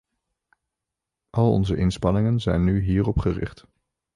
Al onze inspanningen zijn nu hierop gericht.